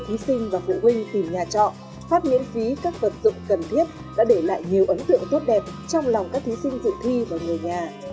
thí sinh và phụ huynh tìm nhà trọ phát miễn phí các vật dụng cần thiết đã để lại nhiều ấn tượng tốt đẹp trong lòng các thí sinh dự thi và người nhà